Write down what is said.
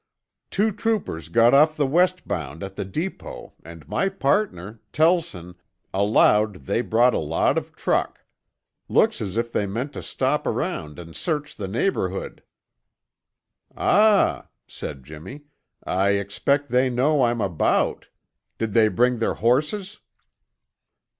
"Two troopers got off the west bound at the depot and my partner, Tellson, allowed they brought a lot of truck. Looks as if they meant to stop around and search the neighborhood." "Ah!" said Jimmy. "I expect they know I'm about! Did they bring their horses?"